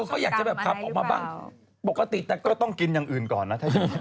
เขาอยากจะแบบขับออกมาบ้างปกติแต่ก็ต้องกินอย่างอื่นก่อนนะถ้าอย่างนี้